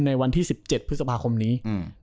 ในวันที่๑๗พฤษภาคมนี้